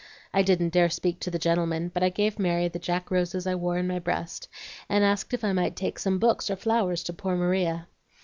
I didn't dare to speak to the gentlemen, but I gave Mary the Jack roses I wore in my breast, and asked if I might take some books or flowers to poor Maria.